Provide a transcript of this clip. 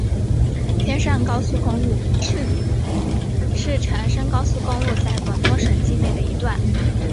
天汕高速公路是长深高速公路在广东省境内的一段。